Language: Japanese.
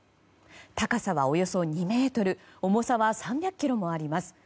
高さはおよそ２ｍ重さは３００ｋｇもあります。